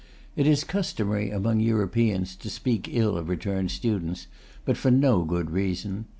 It is customary among Europeans to speak ill of returned students, but for no good reason.